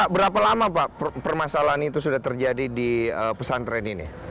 berapa lama pak permasalahan itu sudah terjadi di pesantren ini